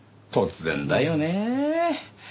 突然だよねえ。